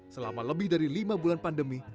selama lebih dari lima bulan pandemi